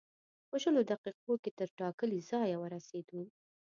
په شلو دقیقو کې تر ټاکلي ځایه ورسېدو.